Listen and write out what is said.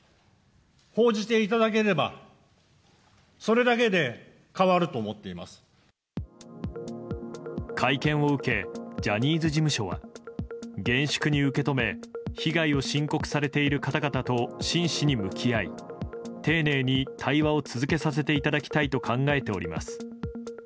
更にメディアの責任については。会見を受けジャニーズ事務所は厳粛に受け止め被害を申告されている方々と真摯に向き合い丁寧に対話を続けさせていただきたいと考えております。